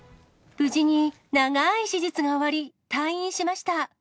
無事に長い手術が終わり、退院しました。